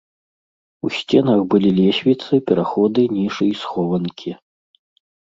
У сценах былі лесвіцы, пераходы, нішы і схованкі.